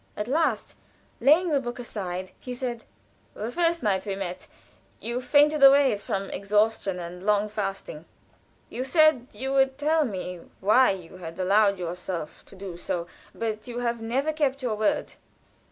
At last, laying the book aside, he said: "The first night we met, you fainted away from exhaustion and long fasting. You said you would tell me why you had allowed yourself to do so, but you have never kept your word."